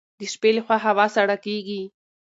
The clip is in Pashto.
د شپې لخوا هوا سړه کیږي.